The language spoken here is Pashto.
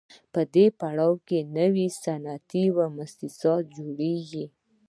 په دې پړاو کې نوي صنعتي موسسات جوړېږي